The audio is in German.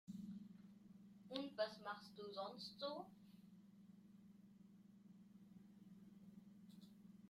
Und was machst du sonst so?